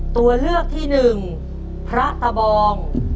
ตัวเลือกที่หนึ่งพระตะบอง